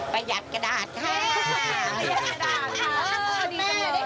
พระหยัดกระดาษ๘๐บาท